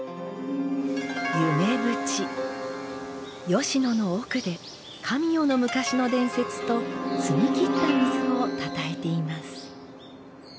吉野の奥で神代の昔の伝説と澄み切った水をたたえています。